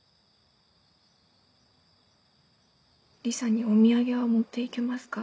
リサにお土産は持って行けますか？